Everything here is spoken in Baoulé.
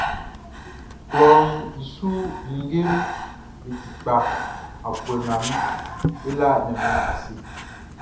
Klɔʼn i su ninngeʼm be ti kpa afuɛ nga nun, e la Ɲanmiɛn ase.